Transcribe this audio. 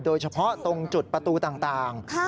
โดยเฉพาะตรงจุดประตูต่าง